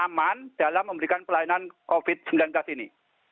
aman dalam memberikan pelayanan covid sembilan belas ini